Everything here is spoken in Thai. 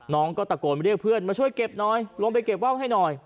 น้องก็ตะโกนเรียกเพื่อนมาช่วยเก็บหน่อยลงไปเก็บว่าวให้หน่อย